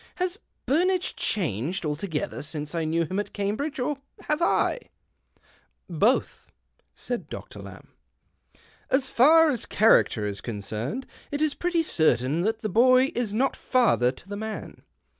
Has Burnage changed altogether since I knew him at Cambridge, or have I ?"" Both," said Doctor Lamb. " As far as character is concerned, it is pretty certain that the boy is not father to the man.